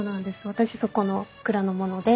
私そこの蔵の者で。